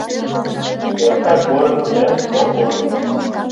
Эрта корно ден обоз